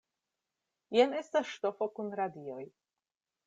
Jen estas ŝtofo kun radioj!